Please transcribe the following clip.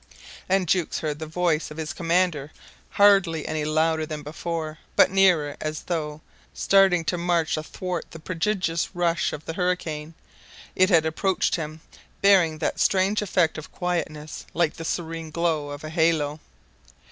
And Jukes heard the voice of his commander hardly any louder than before, but nearer, as though, starting to march athwart the prodigious rush of the hurricane, it had approached him, bearing that strange effect of quietness like the serene glow of a halo.